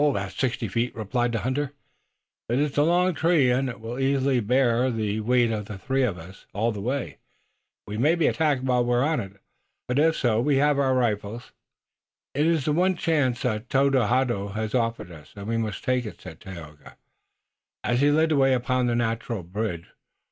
"About sixty feet," replied the hunter, "but it's a long tree, and it will easily bear the weight of the three of us all the way. We may be attacked while we're upon it, but if so we have our rifles." "It is the one chance that Tododaho has offered to us, and we must take it," said Tayoga, as he led the way upon the natural bridge.